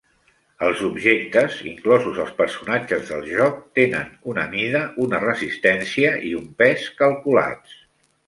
Els objectes, inclosos els personatges del joc, tenen una mida, una resistència i un pes calculats.